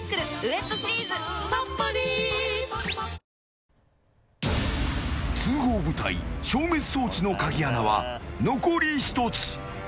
あふっ通報部隊消滅装置の鍵穴は残り１つ。